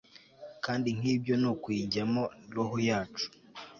Kandi nkibyo nukuyijyamo roho yacu